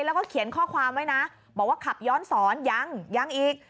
แล้วก็เขียนข้อความไว้นะบอกว่าขับย้อนสอนยังยังอีก